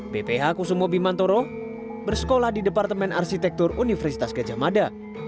bph kusumo bimantoro bersekolah di departemen arsitektur universitas gejamada